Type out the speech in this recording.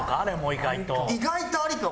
意外とありかもね。